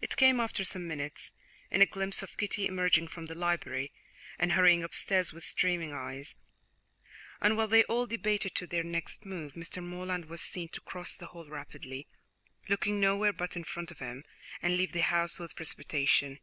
It came, after some minutes, in a glimpse of Kitty emerging from the library and hurrying upstairs with streaming eyes, and while they all debated as to their next move, Mr. Morland was seen to cross the hall rapidly, looking nowhere but in front of him, and leave the house with precipitation.